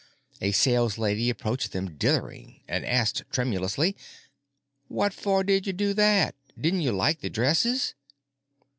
A saleslady approached them dithering and asked tremulously: "What for did you do that? Din't you like the dresses?"